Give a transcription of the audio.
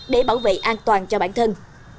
để bảo vệ an toàn cho bản thân